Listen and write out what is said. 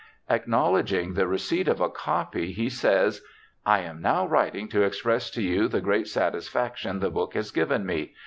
Acknowledging the receipt of a copy, he says :* I am now writing to express to you the great satis faction the book has given me.